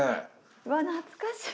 うわ懐かしい！